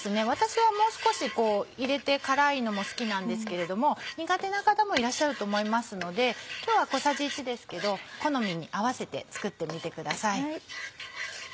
私はもう少し入れて辛いのも好きなんですけれども苦手な方もいらっしゃると思いますので今日は小さじ１ですけど好みに合わせて作ってみてください。